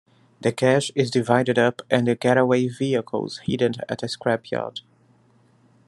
The cash is divided up and the getaway vehicles hidden at a scrapyard.